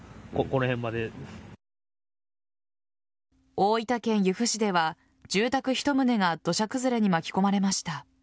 大分県由布市では住宅１棟が土砂崩れに巻き込まれました。